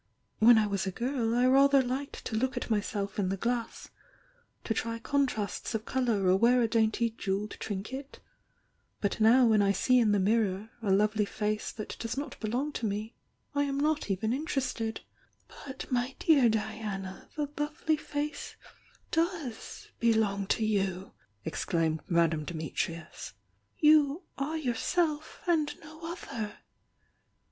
When I was a %irl I rather bked to look at myself in the gl rito tS confa asts of colour or wear a dainty jewtufd trbkS^ but now when I see in the mirror a lovely f^e that^does not belong to me, I am not evenVter! "But my dear Diana, the lovely face does bplnnir to you " exclaimed Madame DimitrTus. « Youi^f yourself, and no other!"